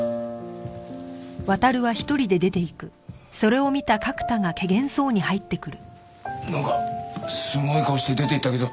なんかすごい顔して出て行ったけど大丈夫か？